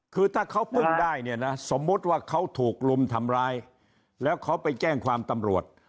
คือถ้าเขาพึ่งได้เนี่ยนะสมมุติว่าเขาถูกลุมทำร้ายแล้วเขาไปแจ้งความตำรวจ